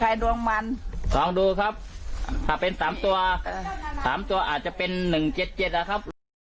ใครดวงมันลองดูครับถ้าเป็นสามตัวสามตัวอาจจะเป็นหนึ่งเจ็ดเจ็ดอ่ะครับ